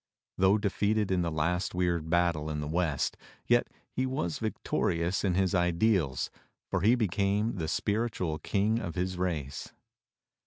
Though defeated in the last weird battle in the west, yet he was vic torious in his ideals, for he became the spiritual King of his race.